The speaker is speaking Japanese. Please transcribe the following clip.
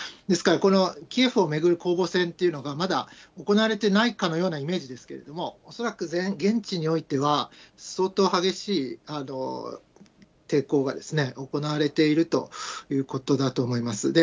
ですから、このキエフを巡る攻防戦というのが、まだ行われていないかのようなイメージですけれども、恐らく現地においては相当激しい抵抗が行われているということだと思います。